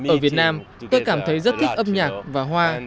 ở việt nam tôi cảm thấy rất thích âm nhạc và hoa